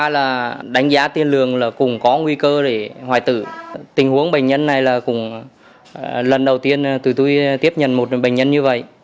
lần đầu tiên tụi tôi tiếp nhận một bệnh nhân như vậy